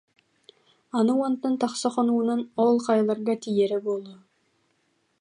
Аны уонтан тахса хонугунан ол хайаларга тиийэрэ буолуо